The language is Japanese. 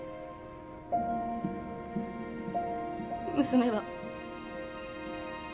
娘は。